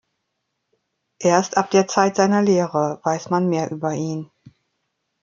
Erst ab der Zeit seiner Lehre weiß man mehr über ihn.